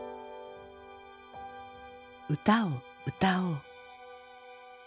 「歌を歌おう」。